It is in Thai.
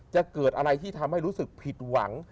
จะเกิดอะไรที่ทำให้รู้สึกผิดหวัง